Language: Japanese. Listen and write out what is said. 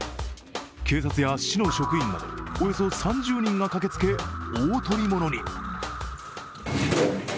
警察や市の職員などおよそ３０人が駆けつけ大捕り物に。